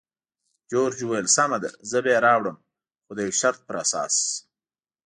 جورج وویل: سمه ده، زه به یې راوړم، خو د یو شرط پر اساس.